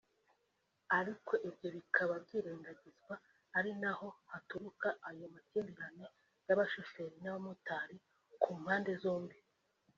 Ariko ibyo bikaba byirengagizwa ari naho haturuka ayo makimbiranye y’abashoferi n’abamotari ku mpande zombi